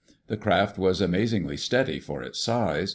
The craft was amazingly steady for its size.